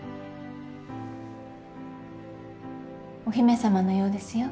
お姫様のようですよ。